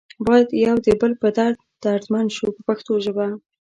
باید یو د بل په درد دردمند شو په پښتو ژبه.